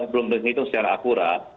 belum dihitung secara akurat